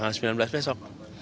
tanggal sembilan belas besok